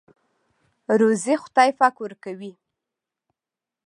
روزۍ خدای پاک ورکوي.